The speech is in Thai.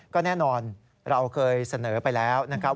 ก็แน่นอนเราเคยเสนอไปแล้วนะครับ